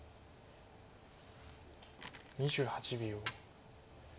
２８秒。